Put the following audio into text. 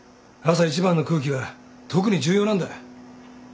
朝一番の空気は特に重要なんだ。